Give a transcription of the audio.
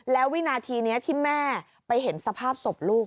แล้ววินาทีนี้ที่แม่ไปเห็นสภาพศพลูก